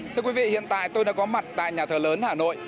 thưa quý vị hiện tại tôi đã có mặt tại nhà thờ lớn hà nội